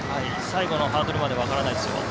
最後のハードルまで分からないです。